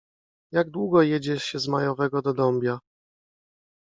Jak długo jedzie się z Majowego do Dąbia?